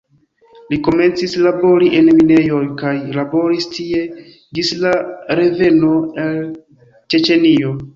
Li komencis labori en minejo kaj laboris tie ĝis la reveno al Ĉeĉenio.